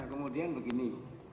nah kemudian begini